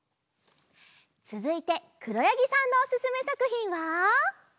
つづいてくろやぎさんのおすすめさくひんは。